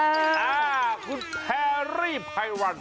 อ่าคุณแพรรี่ไพวัน